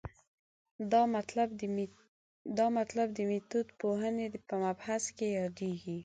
دا مطلب د میتودپوهنې په مبحث کې یادېږي.